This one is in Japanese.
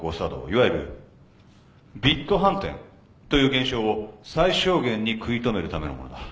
いわゆるビット反転という現象を最小限に食い止めるためのものだ。